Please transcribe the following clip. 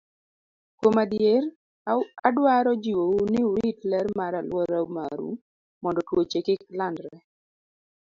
Kuom adier, adwaro jiwou ni urit ler mar alwora maru mondo tuoche kik landre.